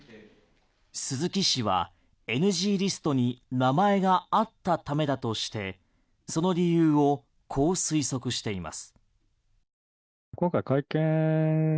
鈴木氏はＮＧリストに名前があったためだとしてその理由をこう推測しています。